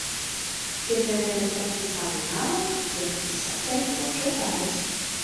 Цяпер гэта такі самы навык, як пісаць альбо чытаць.